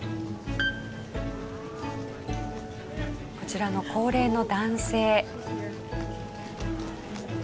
こちらの高齢の男性。